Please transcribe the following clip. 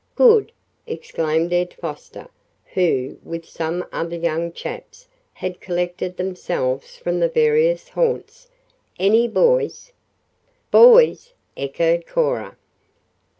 "Good!" exclaimed Ed Foster, who, with some other young chaps, had collected themselves from the various haunts. "Any boys?" "Boys!" echoed Cora.